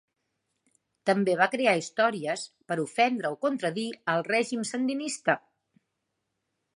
També va crear històries per ofendre o contradir el règim Sandinista.